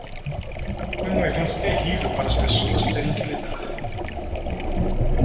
Foi um evento terrível para as pessoas terem que lidar.